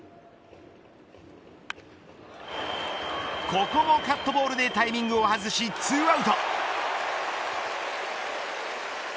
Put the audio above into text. ここもカットボールでタイミングを外し２アウト。